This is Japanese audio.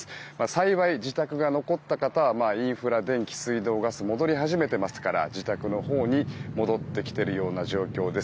幸い自宅が残った方はインフラ、電気、水道やガスも戻り始めていますから自宅のほうに戻ってきている状況です。